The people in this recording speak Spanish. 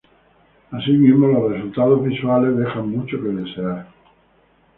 Asimismo, los resultados visuales dejan mucho que desear.